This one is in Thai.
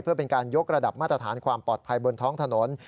เพื่อเป็นการยกระดับมาตรฐานความปลอดภัยบนท้องถนน